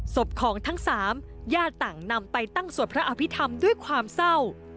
ศพของทั้งสามญาติต่างนำไปตั้งสวดพระอภิษฐรรมด้วยความเศร้า